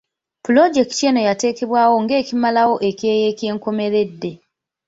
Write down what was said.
Pulojekiti eno yateekebwawo ng'ekimalawo ekyeya eky'enkomeredde.